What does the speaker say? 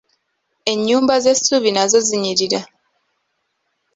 Ennyumba z'essubi nazo zinnyirira